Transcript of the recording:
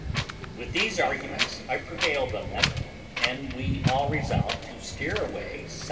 With these arguments I prevailed on them, and we all resolved to steer away S.E.